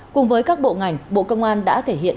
cùng với các bộ ngành bộ công an đã thể hiện